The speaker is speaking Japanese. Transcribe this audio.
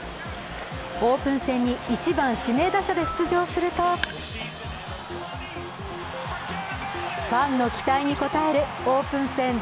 オープン戦に１番・指名打者で出場するとファンの期待に応えるオープン戦